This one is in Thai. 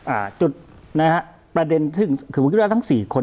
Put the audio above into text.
อ่าจุดนะฮะประเด็นซึ่งคือผมคิดว่าทั้งสี่คน